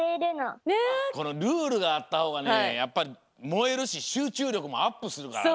ルールがあったほうがねやっぱもえるししゅうちゅうりょくもアップするからね。